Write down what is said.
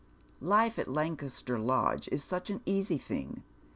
Life at Lancaster Lodge is such an easy thing.